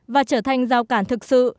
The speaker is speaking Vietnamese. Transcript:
và trở thành giao cản thực sự